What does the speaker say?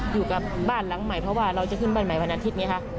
อยู่กับบ้านหลังใหม่เพราะว่าเราจะขึ้นบ้านใหม่วันอาทิตย์ไงคะ